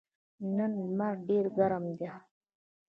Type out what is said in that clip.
نن لمر ډېر ګرم ده.